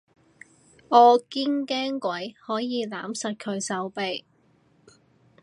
我堅驚鬼可以攬實佢手臂